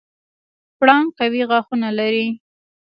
پړانګ قوي غاښونه لري.